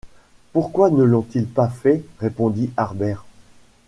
Pourquoi ne l’ont-ils pas fait? répondit Harbert.